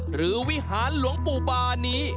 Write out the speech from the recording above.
วิหารหลวงปู่บานี้